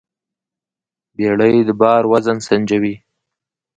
بیړۍ د بار وزن سنجوي.